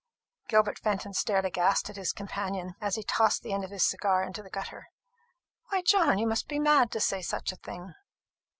Gilbert Fenton stared aghast at his companion, as he tossed the end of his cigar into the gutter. "Why, John, you must be mad to say such a thing."